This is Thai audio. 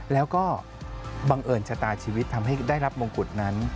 แล้วก็บังเอิญชะตาชีวิตทำให้ได้รับมงกุฎนั้น